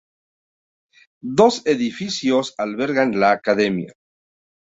Dos edificios albergan la academia.